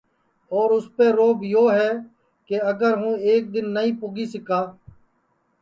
اور اُسپے روب یو ہے کہ اگر ہوں ایک دؔن نائی پونچی سِکا